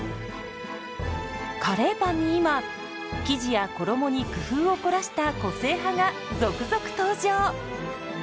カレーパンに今生地や衣に工夫を凝らした個性派が続々登場！